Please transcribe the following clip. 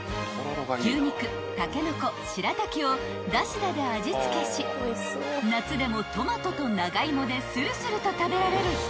［牛肉タケノコしらたきをダシダで味付けし夏でもトマトと長芋でするすると食べられる一品］